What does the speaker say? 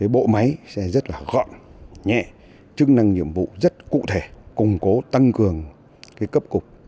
bộ máy sẽ rất gọn nhẹ chức năng nhiệm vụ rất cụ thể củng cố tăng cường cấp cục